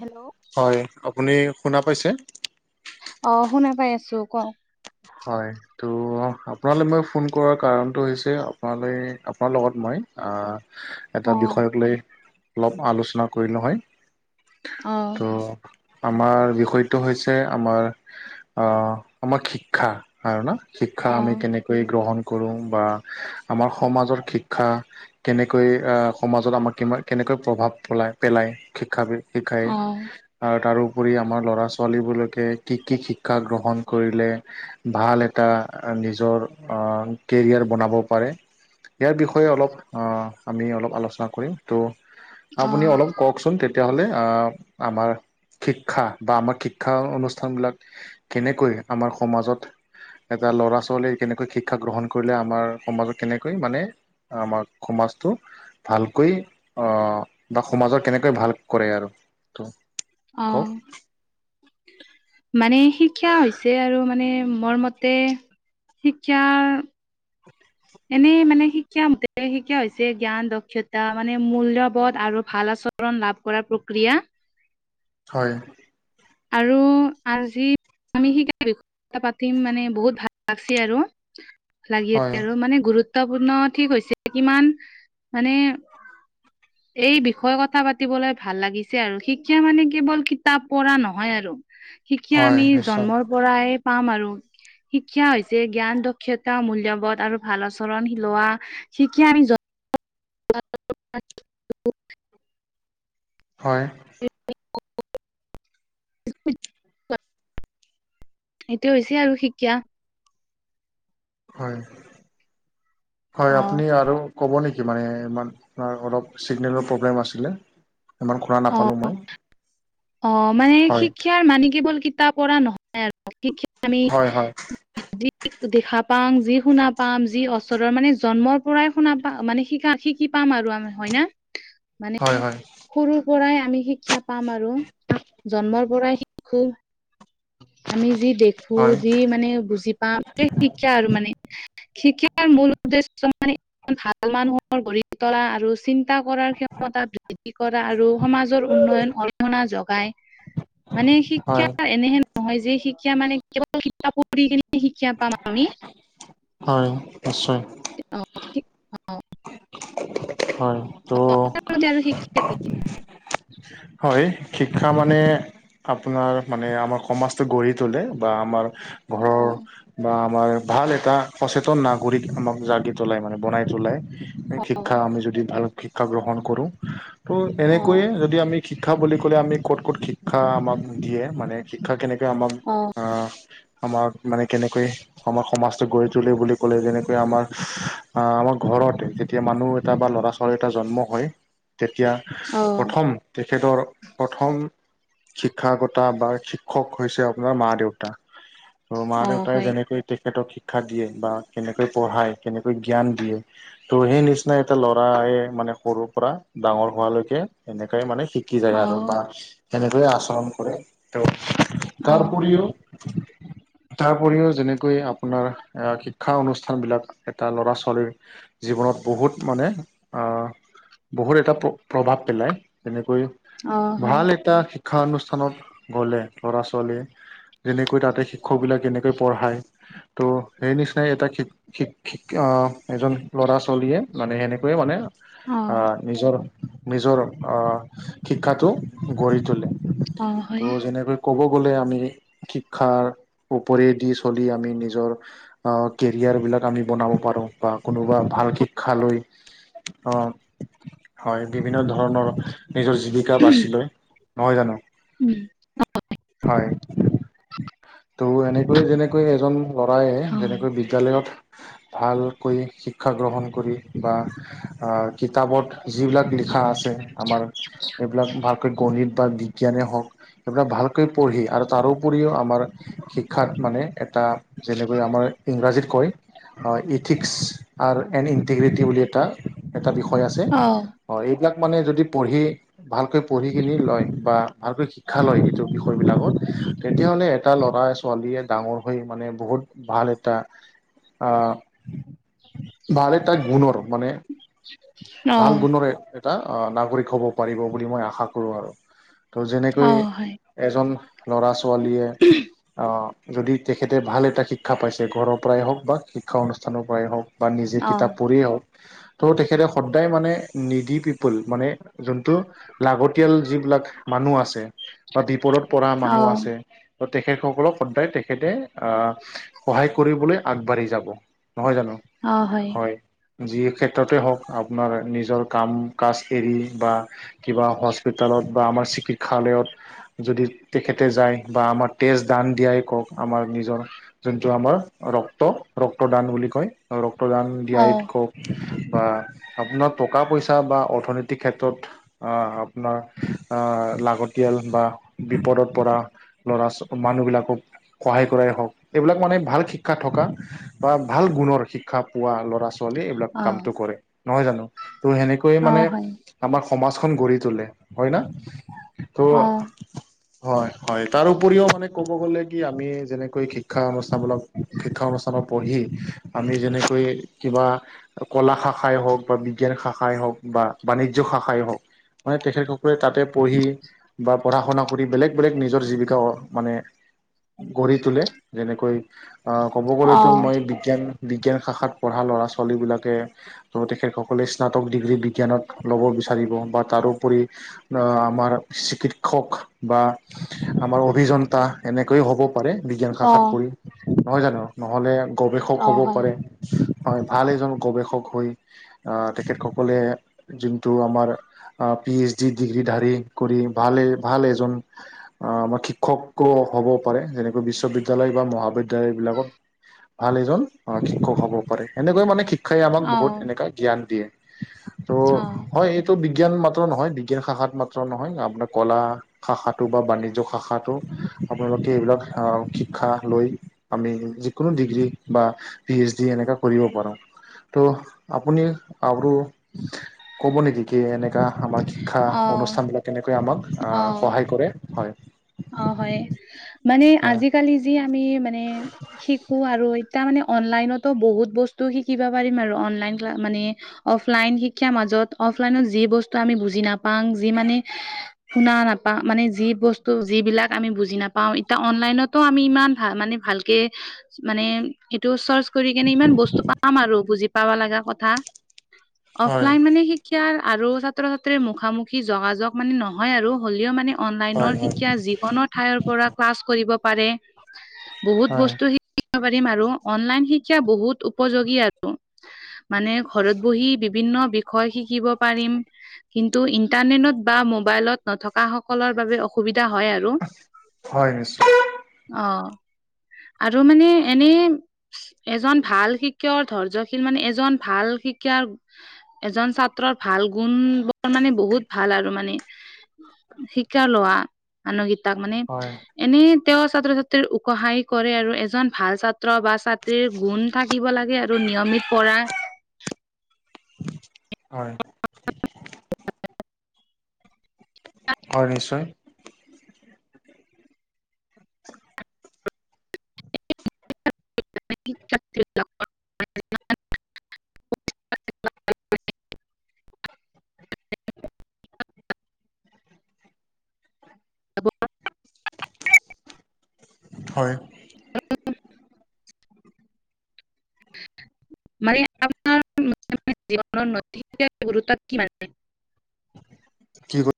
Hello? হয়! আপুনি শুনা পাইছে? অ শুনা পাই আছো ক? হয় তো আপোনালৈ মই ফোন কৰাৰ কাৰণটো হৈছে আপোনালৈ আপোনাৰ লগত মই আ এটা অ বিষয়ক লৈ অলপ আলোচনা কৰিলোঁ হয়। অ ত আমাৰ বিষয়টো হৈছে আমাৰ আহ আমাক শিক্ষা আৰু না শিক্ষা অ আমি কেনে কৈ গ্ৰহণ কৰো বা আমাৰ সমাজৰ শিক্ষা কেনেকৈ আ সমাজত আমাক কিমা কেনেকৈ প্ৰভাৱ পেলাই পেলায় শিক্ষাবিধ শিক্ষাই অ আৰু তাৰোপৰি আমাৰ ল'ৰা - ছোৱালীবলৈকে কি কি শিক্ষা গ্ৰহণ কৰিলে ভাল এটা নিজৰ আ কেৰিয়াৰ বনাব পাৰে। ইয়াৰ বিষয়ে অলপ আ আমি অলপ আলোচনা কৰিম ত' অ আপুনি অলপ কওকচোন তেতিয়াহ'লে আ আমাৰ শিক্ষা বা আমাৰ শিক্ষা অনুষ্ঠানবিলাক কেনেকৈ আমাৰ সমাজত এটা ল'ৰা - ছোৱালীয়ে কেনেকৈ শিক্ষা গ্ৰহণ কৰিলে আমাৰ সমাজত কেনেকৈ মানে আমাৰ খমাজটো ভালকৈ আ বা সমাজৰ কেনেকৈ ভাল কৰে আৰু তো। অ মানে শিক্ষা হৈছে আৰু মানে মোৰ মতে শিক্ষাৰ [inaudible] এনেই মানে শিক্ষাতে শিক্ষা হৈছে জ্ঞান, দক্ষতা মানে মূল্যবোধ আৰু ভাল আচল ণ লাভ কৰাৰ প্ৰক্ৰিয়া। হয়। আৰু আজি আমি শিকাই বিষ। পাতিম মানে বহুত ভাল লাগছে আৰু হয় লাগিছে আৰু মানে গুৰুত্ব। গুৰুত্বপূৰ্ণ ঠিক হৈছে কিমান মানে। এই বিষয়ে কথা পাতিবলৈ ভাল লাগিছে আৰু শিকা মানে কেৱল কিতাপ পঢ়া ন নহয় আৰু শিক্ষা হয় আমি নিশ্চয় জন্মৰ পৰাই পাম আৰু। শিক্ষা হৈছে জ্ঞান দক্ষতা মূল্যবোধ আৰু ভাল আচৰণ লোৱা শিক্ষা আমি জ [unintelligible] হয়। [unintelligible] সেইটোয় হৈছে আৰু শিকা। হয় হয় অ আপুনি আৰু। ক'ব নেকি মানে ইমান অলপ চিগনেলৰ প্ৰব্লেম আছিলে ইমান ঘূৰা নাপালোঁ মই। অঁ, মানে হয় শিক্ষাৰ মানে কেৱল কিতাপ পঢ়া নহয়। [unintelligible] আমি। হয় হয় যি দেখা পাম যি শুনা পাম যি ওচৰৰ মানে জন্মৰ পৰাই শুনা পা মানে শিকা। কি পাম আৰু আমাৰ হয় না? [unintelligible] মানে সৰু পৰাই আমি শিক্ষা পাম আৰু জন্মৰ পৰাই শিকো। আমি যি দেখো হয় যি মানে বুজি পাওঁ শিকা আৰু মানে। শিকাৰ মূল উদ্দেশ্য মানে ভাল মানুহৰ [unintelligible] তলা আৰু চ কৰাৰ ক্ষমতা বৃদ্ধি কৰা আৰু। সমাজৰ উন্নয়ন অৰিহণা জগাই মানে হয় হয় শিক্ষাৰ এনেহেন। নহয় যে শিক্ষা মানে কেৱল শিক্ষা পঢ়ি কিনে শিক্ষা পাম আমি। হয় নিশ্চয়। অঁ। হয়। অ ত' আৰু শিকি আ। হয় শিক্ষা মানে। আপোনাৰ মানে আমাৰ সমাজটো গঢ়ি তোলে বা আমাৰ। ঘৰৰ অঁ। বা আমাৰ ভাল এটা সচেতন নাগৰিক আমাক জাগি তোলাই মানে বনাই তলাই। অ শিক্ষা আমি যদি ভাল শিক্ষা গ্ৰহণ কৰো ত' অ এনেকৈয়ে যদি আমি। শিক্ষা বুলি ক'লে আমি ক'ত ক'ত শিক্ষা আমাক দিয়ে মানে শিক্ষা কেনেকে আমাৰ অ আমাৰ মানে কেনেকৈ আমাৰ সমাজ গৈ তলে বুলি ক'লে যেনেকৈ আমাৰ অ আমাৰ ঘৰতে। তেতিয়া মানুহ এটা বা ল'ৰা ছোৱালী এটা জন্ম হয় তেতিয়া অ প্ৰথম। সেইটো আৰু প্ৰথম শিক্ষাগতা বা শিক্ষক হৈছে আপোনাৰ মা দেউতা ত মা অ দেউতাই হয় যেনেকৈ। তেখেতক শিক্ষা দিয়ে বা কেনেকৈ পঢ়ায় কেনেকৈ জ্ঞান দিয়ে। ত' সেই নিচিনা এটা ল'ৰায় মানে সৰুৰ পৰা ডাঙৰ হোৱালৈকে এনেকাই মানে সী শিকি যায় অ আৰু বা সেনেকৈয়ে আচৰণ কৰে ত অ তাৰ উপৰিও। [inaudible] তাৰ উপৰিও যেনেকৈ আপোনাৰ এ শিক্ষা অনুষ্ঠান বিলাক এটা ল'ৰা ছোৱালীৰ জীৱনত বহুত মানে আ বহুত এটা প্ৰ প্ৰভাৱ পেলায়, যেনেকৈ অ হয় ভাল এটা শিক্ষা অনুষ্ঠানত গলে ল'ৰা ছোৱালীয়ে যেনেকৈ তাতে শিক্ষক বিলাক কেনেকৈ পঢ়াই ত' সেই নিচিনাই এটা শিক শিকিক আহ এজন ল'ৰা ছোৱালীয়ে মানে সেনেকৈয়ে মানে অ আ নিজৰ নিজৰ অ শিক্ষাটো গঢ়ি তোলে। অ হয় ত' যেনেকৈ ক'ব গ'লে আমি শিক্ষাৰ ওপৰেদি চলি আমি নিজৰ অঁহ কেৰিয়াৰ বিলাক আমি বনাব পাৰো, বা কোনোবা ভাল শিক্ষা লৈ অ হয় বিভিন্ন ধৰণৰ নিজৰ যি জীৱিকা বাছি লৈ, নহয় জানো? উম হয়। ত' এনেকৈ যেনেকৈ এজন অ ল'ৰায় যেনেকৈ বিদ্যালয়ত ভালকৈ শিক্ষা গ্ৰহণ কৰি বা আ কিতাপত যিবিলাক লিখা আছে আমাৰ এইবিলাক ভালকৈ গণিত বা বিজ্ঞানে হওক সেইবিলাক ভালকৈ পঢ়ি আৰু তাৰোপৰিও আমাৰ শিক্ষাত মানে এটা যেনেকৈ আমাৰ ইংৰাজীত কয় অঁ ইথিক্স আৰ এণ্ ইণ্টিগ্ৰিটি বুলি এটা এটা বিষয় আছে অ এইবিলাক মানে যদি পঢ়ি ভালকৈ পঢ়ি কিনি লয় বা ভালকৈ শিক্ষা লয় যিটো বিষয় বিলাকত তেতিয়াহ'লে এটা ল'ৰা ছোৱালীয়ে ডাঙৰ হৈ মানে বহুত ভাল এটা আহ ভাল এটা গুণৰ মানে ভাল অ গুণৰ এটা আ নাগৰিক হব পাৰিব বুলি মই আশা কৰো আৰু। ত' অ যেনেকৈ হয় এজন ল'ৰা ছোৱালীয়ে উ [unintelligible] অঁ যদি তেখেতে ভাল এটা শিক্ষা পাইছে ঘৰৰ পৰাই হওক বা শিক্ষা অনুষ্ঠানৰ পৰাই হওক বা নিজে অ কিতাপ পঢ়িয়েই হওক ত' তেখেতে সদায় মানে নিডি পিপল মানে যোনটো লাগতিয়াল যিবিলাক মানুহ আছে বা বিপদত পৰা অ মানুহ আছে ত তেখেত সকলক সদায় তেখেতে আহ সহায় কৰিবলে আগবাঢ়ি যাব, নহয় জানো? হয়। যি ক্ষেত্ৰতে হওক আপোনাৰ নিজৰ কাম কাজ এৰি বা কিবা হস্পিতেলত বা আমাৰ চিকিৎসালয়ত যদি তেখেতে যায় বা আমাৰ তেজ দান দিয়াই কওক, আমাৰ নিজৰ, যোনটো আমাৰ ৰক্ত ৰক্তদান বুলি কয়। ৰক্তদান অ দিয়াই কক বা আপোনাৰ টকা পইচা বা অৰ্থনৈতিক ক্ষেত্ৰত আ আপোনাৰ আ লাগতিয়াল বা বিপদত পৰা ল'ৰা ছ মানুহবিলাকক সহায় কৰাই হওক, এইবিলাক মানে ভাল শিক্ষা থকা বা ভাল গুণৰ শিক্ষা পোৱা ল'ৰা ছো ছোৱালী এইবিলাক কামটো কৰে, নহয় জানো? ত' সেনেকৈয়ে অ মানে হয় আমাৰ সমাজখন গঢ়ি তোলে, হয় না? ত' অ হয় হয়, তাৰ উপৰিও মানে ক'ব গ'লে কি আমি যেনেকৈ শিক্ষা অনুষ্ঠানমুলক শিক্ষা অনুষ্ঠানত পঢ়ি, আমি যেনেকৈ কিবা কলা শাখাই হওক বা বিজ্ঞান শাখাই হওক বা বাণিজ্য শাখাই হওক মানে তেখেতসকলে তাতেই পঢ়ি বা পঢ়া- শুনা কৰি বেলেগ বেলেগ নিজৰ জীৱিকা অ -মানে গঢ়ি তোলে। যেনেকৈ অঁ, ক'ব অ গ'লেতো মই বিজ্ঞান, বিজ্ঞান শাখাত পঢ়া ল'ৰা- ছোৱালী বিলাকে অঁ, তেখেতসকলে স্নাতক ডিগ্ৰী বিজ্ঞানত ল'ব বিচাৰিব বা তাৰোপৰি অঁ, আমাৰ চিকিৎসক বা আমাৰ অভিযন্তা এনেকৈয়ে হ'ব পাৰে বিজ্ঞান অ শাখাত পঢ়ি। নহয় জানো? নহ'লে গৱেষক অ হ'ব হয় পাৰে। হয়, ভাল এজন গৱেষক হৈ, আ তেখেতসকলে যোনটো আমাৰ অঁ- পি এইচ ডি ডিগ্ৰী ধাৰী কৰি, ভালে, ভাল এজন অঁ, আমাৰ শিক্ষকো হ'ব পাৰে। যেনেকৈ বিশ্ববিদ্য়ালয় বা মহাবিদ্য়ালয় বিলাকত। ভাল এজন অ', শিক্ষক হ'ব পাৰে। সেনেকৈ মানে শিক্ষ শিক্ষাই আমাক অ বহুত এনেকুৱা জ্ঞান দিয়ে। ত' অ অ মই টো বিজ্ঞান মাত্ৰ নহয়, বিজ্ঞান শাখাত মাত্ৰ নহয়। আপোনাৰ কলা শাখাটো বা বাণিজ্য শাখাটো আপোনালোকে এইবিলাক অঁ, শিক্ষা লৈ আমি যিকোনো ডিগ্ৰী বা পি এইচ ডি, এনেকা কৰিব পাৰোং। ত', আপুনি আৰু ক'ব নেকি? কি এনেকা আমাৰ শিক্ষা অনুষ্ঠান বিলাকে কেনেকৈ আমাক সহায় কৰে। হয়। অ'হয়, মানে হয় আজি-কালি যি আমি মানে শিকো আৰু। এতিয়া মানে অনলাইনটো বহুত বস্তু শিকিব পাৰিম আৰু। অনলাইন টো মানে অফলাইন শিক্ষাৰ মাজত। অফলাইনত যি বস্তু আমি বুজি নাপাং। যি মানে শুনা নাপাও। মানে যি বস্তু ত' যিবিলাক আমি বুজি নাপাওঁ। এতিয়া অনলাইনটো আমি ইমান ভা মানে ভালকে মানে এইটো চাৰ্চ কৰি কিনি ইমান বস্তু পাম আৰু বুজি পাব লগা কথা। হয় অফলাইন মানে সি শিক্ষাৰ আৰু ছাত্ৰ-ছাত্ৰীৰ মুখামুখি যোগাযোগ মানে নহয় আৰু, হ'লেও মানে অনলাইনৰ হয় হয় শিক্‌ শিক্ষা যিকোনো ঠাইৰ পৰা ক্লাছ কৰিব পাৰে। বহুত হয় বস্তু শিক পাৰিম আৰু অনলাইন শিক্ষা বহুত উপযোগী আৰু মানে, ঘৰত বহি বিভিন্ন বিষয় শিকিব পাৰিম। কিন্তু ইন্টাৰনেটত বা মোবাইলত নথকা সকলৰ বাবে অসুবিধা হয় আৰু হয়, নিশ্চয়। অঁ আৰু মানে এনেই এজন ভাল শিক্ষকৰ ধৈৰ্যশীল মানে, এজন ভাল শিক্ষক এজন ছাত্ৰৰ ভাল গুণ, বৰ মানে, বহুত ভাল আৰু মানে শিক্ষা লোৱা মানুহকেইটাক মানে হয় এনেই তেওঁ ছাত্ৰ ছাত্ৰীৰ উকহাই কৰে আৰু। এজন ভাল ছাত্ৰ বা ছাত্ৰীৰ গুণ থাকিব লাগে আৰু নিয়মিত পঢ়া হয়। হয়, নিশ্চয়। [inaudible] হ'ব হয়। মানে আপোনাৰ জীৱনৰ নথিকেক গুৰুত্ব কি মান? কি হ'ল?